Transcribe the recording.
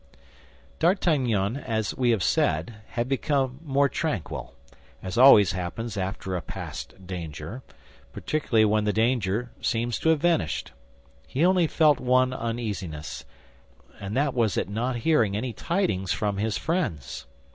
D'Artagnan, as we have said, had become more tranquil, as always happens after a past danger, particularly when the danger seems to have vanished. He only felt one uneasiness, and that was at not hearing any tidings from his friends.